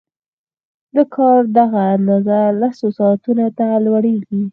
د کار دغه اندازه لسو ساعتونو ته لوړېږي